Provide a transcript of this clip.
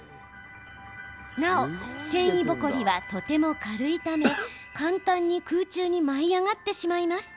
なお繊維ぼこりはとても軽いため簡単に空中に舞い上がってしまいます。